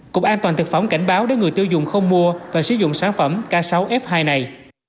cục an toàn thực phẩm cảnh báo để người tiêu dùng không mua và sử dụng sản phẩm k sáu f hai này